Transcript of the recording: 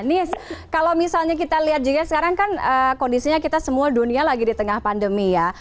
nis kalau misalnya kita lihat juga sekarang kan kondisinya kita semua dunia lagi di tengah pandemi ya